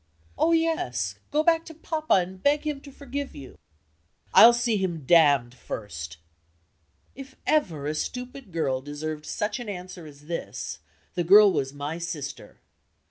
"Oh, yes! Go back to Papa, and beg him to forgive you." "I'll see him damned first!" If ever a stupid girl deserved such an answer as this, the girl was my sister.